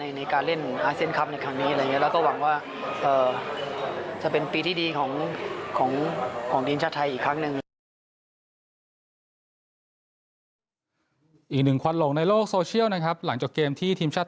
ในการเล่นอาเซนต์คลับในครั้งนี้อะไรอย่างนี้